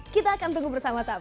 kita akan tunggu bersama sama